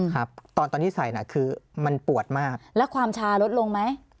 ครับตอนตอนที่ใส่น่ะคือมันปวดมากแล้วความชาลดลงไหม